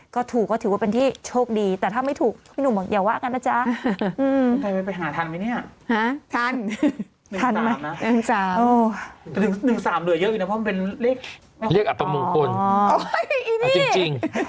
๑๓เดือนเยอะอีกนะมันเป็นเลขอัตโมงคลจริง